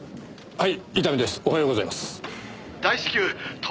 はい。